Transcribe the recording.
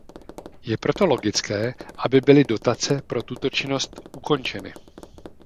Je proto logické, aby byly dotace pro tuto činnost ukončeny.